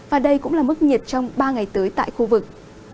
và đây cũng là mức nhiệt trong ba ngày tới tại khu vực